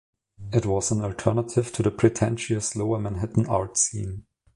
It was an alternative to the "pretentious" lower Manhattan art scene.